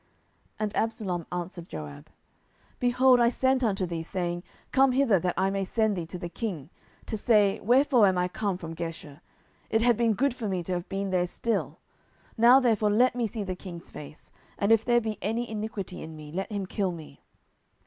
10:014:032 And Absalom answered Joab, Behold, I sent unto thee, saying, Come hither, that I may send thee to the king, to say, Wherefore am I come from Geshur? it had been good for me to have been there still: now therefore let me see the king's face; and if there be any iniquity in me, let him kill me.